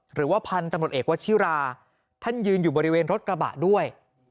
หรือว่าพันธุ์ตำรวจเอกวชิราท่านยืนอยู่บริเวณรถกระบะด้วย